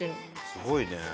すごいね。